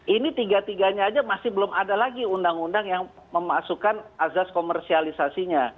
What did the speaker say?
ini tiga tiganya saja masih belum ada lagi uu yang memasukkan azas komersialisasinya